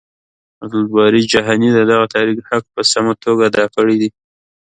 عبدالباري جهاني د دغه تاريخ حق په سمه توګه ادا کړی دی.